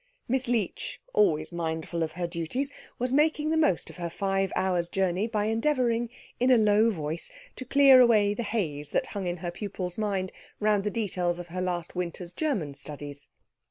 Miss Leech, always mindful of her duties, was making the most of her five hours' journey by endeavouring, in a low voice, to clear away the haze that hung in her pupil's mind round the details of her last winter's German studies.